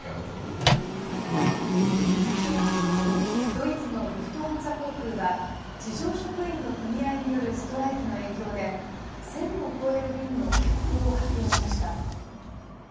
ドイツのルフトハンザ航空は地上職員の組合によるストライキの影響で１０００を超える便の欠航を発表しました。